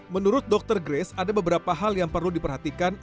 menurut dokter grace ada beberapa hal yang perlu diperhatikan